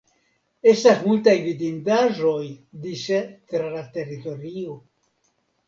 Estas multaj vidindaĵoj dise tra la teritorio.